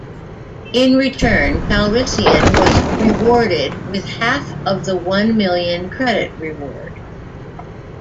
In return, Calrissian was rewarded with half of the one million credit reward.